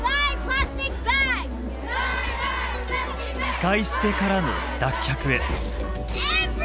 「使い捨て」からの脱却へ。